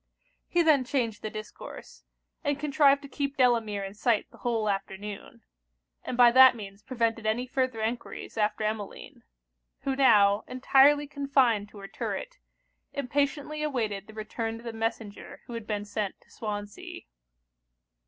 He then changed the discourse; and contrived to keep Delamere in sight the whole afternoon; and by that means prevented any further enquiries after Emmeline; who now, entirely confined to her turret, impatiently awaited the return of the messenger who had been sent to Swansea.